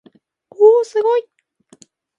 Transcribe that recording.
おおおすごい